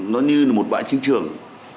nó như là một bãi trinh trường